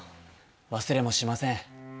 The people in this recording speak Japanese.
忘れもしません。